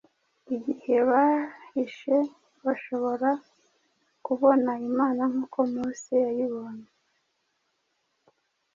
Igihe bahishe bashobora kubona Imana nk’uko Mose yayibonye.